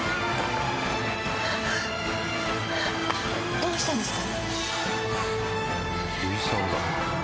どうしたんですか？